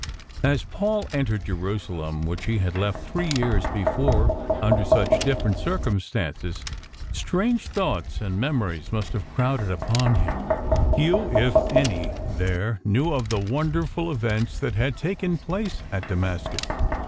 As Paul entered Jerusalem, which he had left three years before under such different circumstances, strange thoughts and memories must have crowded upon him Few, if any, there knew of the wonderful events that had taken place at Damascus.